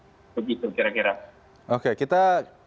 oke kita bergeser bicara soal